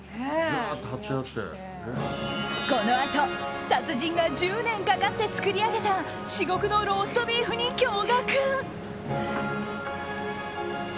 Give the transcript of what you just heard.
このあと達人が１０年かかって作り上げた至極のローストビーフに驚愕。